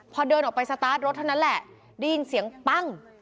พอเดินออกไปสตาร์ทรถเท่านั้นแหละได้ยินเสียงปั้ง